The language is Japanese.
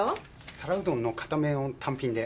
皿うどんの硬麺を単品で。